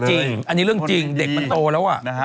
จริงอันนี้เรื่องจริงเด็กมันโตแล้ว